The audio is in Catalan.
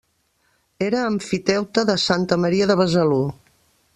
Era emfiteuta de Santa Maria de Besalú.